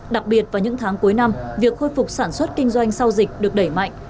đặc biệt vào những tháng cuối năm việc khôi phục sản xuất kinh doanh sau dịch được đẩy mạnh